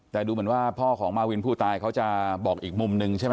แต่ดูเหมือนว่าพ่อของมาวินผู้ตายเขาจะบอกอีกมุมหนึ่งใช่ไหม